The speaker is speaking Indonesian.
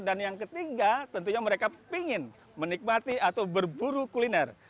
dan yang ketiga tentunya mereka ingin menikmati atau berburu kuliner